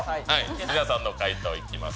皆さんの回答いきます。